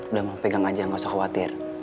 udah mau pegang aja nggak usah khawatir